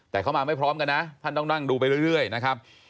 แต่เขามาไม่พร้อมกันนะท่านต้องนั่งดูไปเรื่อยนะครับ